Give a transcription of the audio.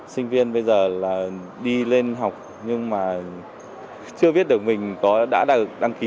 sinh viên bây giờ là đi lên học nhưng mà chưa biết được mình đã đăng ký